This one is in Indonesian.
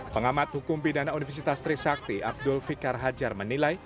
pengamat hukum pidana universitas trisakti abdul fikar hajar menilai